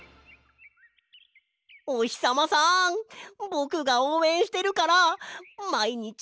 おひさまさんぼくがおうえんしてるからまいにち